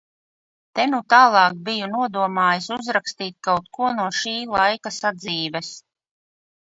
Te nu tālāk biju nodomājis uzrakstīt kaut ko no šī laika sadzīves.